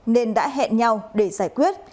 nên đã hẹn nhau để giải quyết